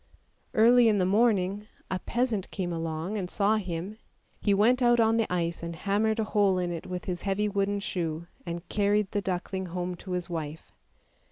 Early in the morning a peasant came along and saw him; he went out on to the ice and hammered a hole in it with his heavy wooden shoe, and carried the duckling home to his wife.